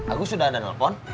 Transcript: aku sudah ada telepon